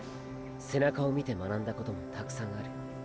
背中を見て学んだこともたくさんある。